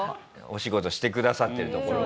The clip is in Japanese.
お仕事してくださってるところ。